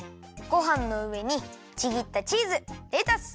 ごはんのうえにちぎったチーズレタス